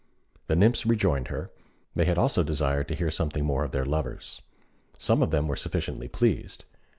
The nymphs rejoined her: they had also desired to hear something more of their lovers. Some of them were sufficiently pleased.